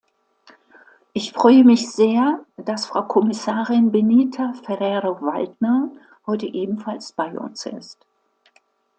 Ich freue mich sehr, dass Frau Kommissarin Benita Ferrero-Waldner heute ebenfalls bei uns ist.